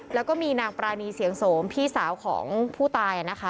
แล้วก็มีนางปรานีเสียงโสมพี่สาวของผู้ตายนะคะ